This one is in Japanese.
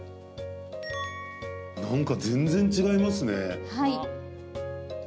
なんか全然違いますね。